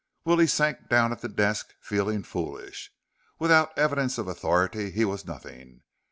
Willie sank down at the desk, feeling foolish. Without evidence of authority, he was nothing.